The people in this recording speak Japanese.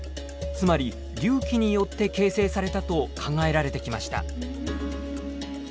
つまり隆起によって形成されたと考えられてきました。